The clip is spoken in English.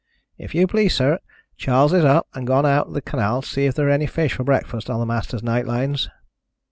"If you please, sir, Charles is up, and gone out to the canal to see if there are any fish for breakfast on the master's night lines."